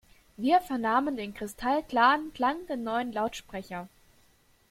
Wir vernahmen den kristallklaren Klang der neuen Lautsprecher.